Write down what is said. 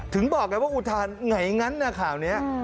ถึงบอกไว้ว่าอุทานไหนงั้นข่าวนี้